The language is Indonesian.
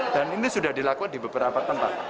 dan ini sudah dilakukan di beberapa tempat